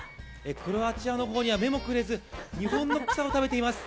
クロアチアの方には目もくれず、日本の草を食べています。